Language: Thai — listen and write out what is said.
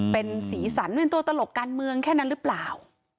เป็นสีสันเป็นตัวตลกการเมืองแค่นั้นหรือเปล่า